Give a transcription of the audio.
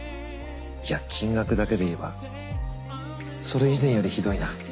いや金額だけでいえばそれ以前よりひどいな。